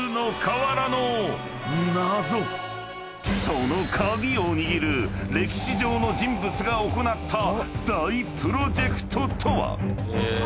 ［その鍵を握る歴史上の人物が行った大プロジェクトとは？］